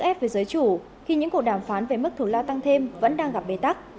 ép về giới chủ khi những cuộc đàm phán về mức thủ la tăng thêm vẫn đang gặp bế tắc